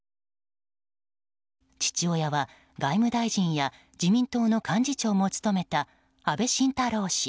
父親は外務大臣や自民党の幹事長も務めた安倍晋太郎氏。